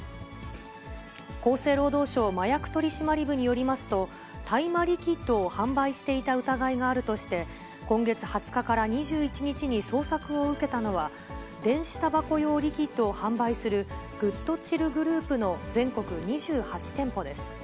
厚生労働省麻薬取締部によりますと、大麻リキッドを販売していた疑いがあるとして、今月２０日から２１日に捜索を受けたのは、電子たばこ用リキッドを販売する、グッド・チルグループの全国２８店舗です。